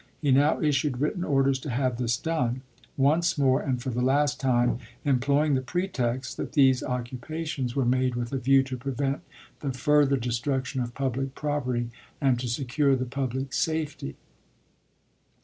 He now issued written orders to have this done ; once more, and for the last time, employing the pretext "that these occupations were made FORT SUMTER 59 with a view to prevent the further destruction of public property and to secure the public safety."